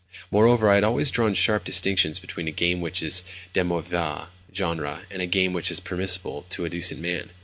Moreover, I had always drawn sharp distinctions between a game which is de mauvais genre and a game which is permissible to a decent man.